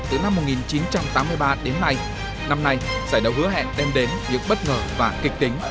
từ năm một nghìn chín trăm tám mươi ba đến nay năm nay giải đấu hứa hẹn đem đến những bất ngờ và kịch tính